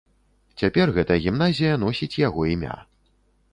Цяпер гэта гімназія носіць яго імя.